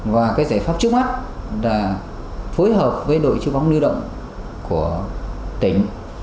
và giải pháp trước mắt là phối hợp với đội chứa bóng nưu động của tỉnh